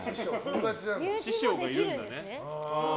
師匠がいるんだね。